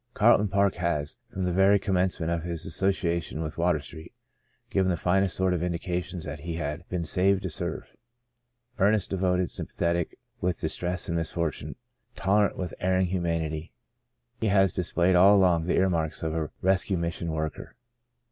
Carlton Park has, from the very commence ment of his association with Water Street, given the finest sort of indications that he had been saved to serve. Earnest, devoted, sympathetic with distress and misfortune, tolerant with erring humanity, he has dis played all along the earmarks of a rescue mission worker.